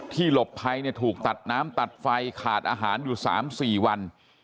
หลบภัยถูกตัดน้ำตัดไฟขาดอาหารอยู่๓๔วัน